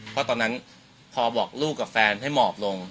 เพราะตอนนั้นพอบอกลูกกับแฟนให้หมอบลง